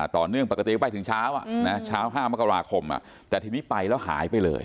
ต่อเนื่องปกติไปถึงเช้า๕มกราคมแต่ทีนี้ไปแล้วหายไปเลย